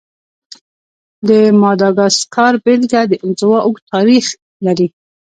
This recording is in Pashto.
د ماداګاسکار بېلګه د انزوا اوږد تاریخ لري.